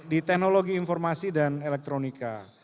di teknologi informasi dan elektronika